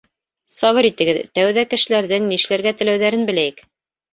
Сабыр итегеҙ: тәүҙә кешеләрҙең нишләргә теләүҙәрен беләйек.